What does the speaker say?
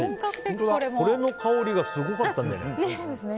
これの香りがすごかったんだよね。